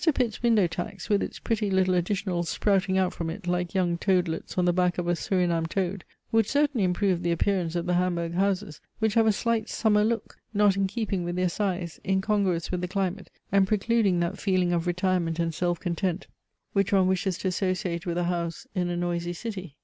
Pitt's window tax, with its pretty little additionals sprouting out from it like young toadlets on the back of a Surinam toad, would certainly improve the appearance of the Hamburg houses, which have a slight summer look, not in keeping with their size, incongruous with the climate, and precluding that feeling of retirement and self content, which one wishes to associate with a house in a noisy city.